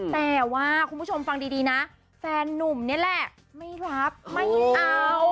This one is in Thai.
แต่ว่าคุณผู้ชมฟังดีนะแฟนนุ่มนี่แหละไม่รับไม่เอา